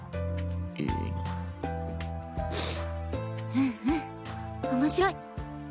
うんうん面白い。